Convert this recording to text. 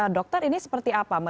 dokter ini seperti apa